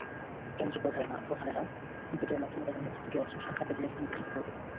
কেন্দ্রপ্রধানেরা ভোটের মাধ্যমে তাঁদের মধ্য থেকে একজন শাখা প্রতিনিধি নির্বাচিত করবেন।